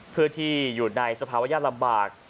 เพื่อที่อยู่ในสภาวะยากลำบาก